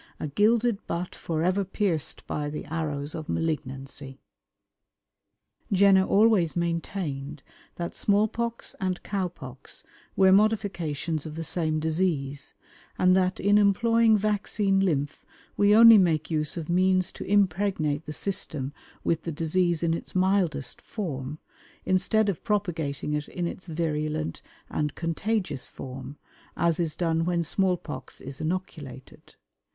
A gilded butt forever pierced by the arrows of malignancy." Jenner always maintained that small pox and cow pox were modifications of the same disease, and that in employing vaccine lymph we only make use of means to impregnate the system with the disease in its mildest form, instead of propagating it in its virulent and contagious form, as is done when small pox is inoculated.